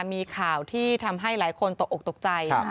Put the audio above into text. มีข่าวที่ทำให้หลายคนตกออกตกใจ